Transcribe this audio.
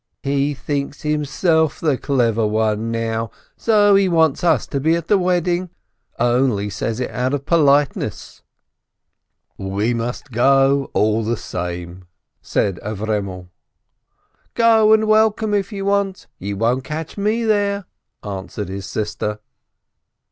He thinks himself the clever one now! So he wants us to be at the wedding? Only says it out of politeness." A GLOOMY WEDDING 95 "We must go, all the same/' said Avremel. "Go and welcome, if you want to — you won't catch me there," answered his sister.